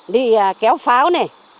đi kéo pháo này